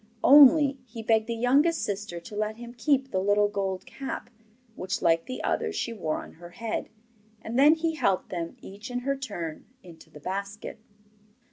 Only, he begged the youngest sister to let him keep the little gold cap which, like the others, she wore on her head; and then he helped them, each in her turn, into the basket.